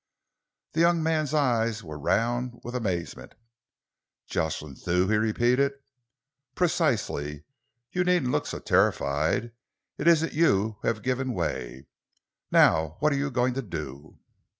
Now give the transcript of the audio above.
The young man's eyes were round with amazement. "Jocelyn Thew!" he repeated. "Precisely. You needn't look so terrified. It isn't you who have given away. Now what are you going to do?"